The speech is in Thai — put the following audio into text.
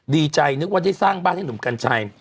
ดีใจนึกว่าได้สร้างบ้านให้หนุ่มกัญชัย